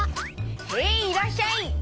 へいいらっしゃい！